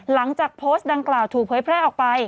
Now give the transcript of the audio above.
หลังจากโพสต์ดังกล่าวถูกเผยแพร่ออกไป